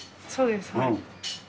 そうです。